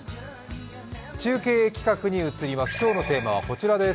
中継企画に移ります。